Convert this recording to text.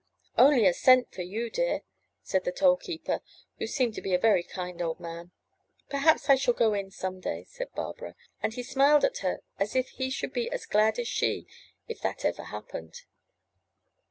'*Only a cent for you, dear," said the toll keeper, who seemed to be a very kind old man. ' 'Perhaps I shall go in some day," said Barbara, and he smiled at her as if he should be as glad as she if that ever happened.